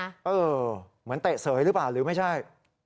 เหมือนเตะเสยหรือเปล่าหรือไม่ใช่